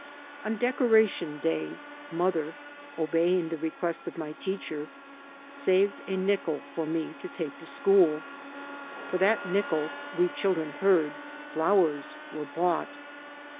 On Decoration Day, mother, obeying the request of my teacher, saved a nickel for me to take to school. For that nickel, we chil dren heard, flowers were bought.